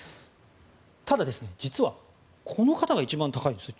ただ、実はこの方が一番高いんですね。